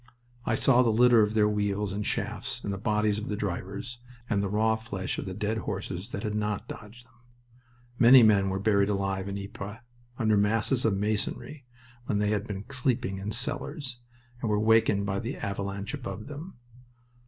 I saw the litter of their wheels and shafts, and the bodies of the drivers, and the raw flesh of the dead horses that had not dodged them. Many men were buried alive in Ypres, under masses of masonry when they had been sleeping in cellars, and were wakened by the avalanche above them.